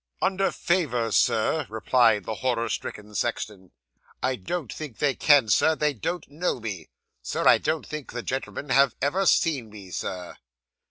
'"Under favour, Sir," replied the horror stricken sexton, "I don't think they can, Sir; they don't know me, Sir; I don't think the gentlemen have ever seen me, Sir."